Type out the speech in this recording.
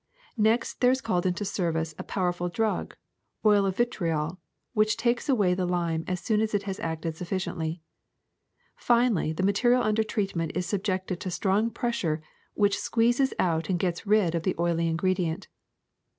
Next there is called into service a pow erful drug, oil of vitriol, which takes away the lime as soon as it has acted sufficiently. Finally, the material under treatment is subjected to strong pressure which squeezes out and gets rid of the oily ingredient.